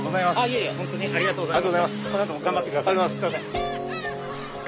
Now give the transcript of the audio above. いえいえ本当にありがとうございます。